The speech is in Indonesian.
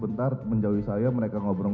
banyak penerhemahan luka atau sere bishopannel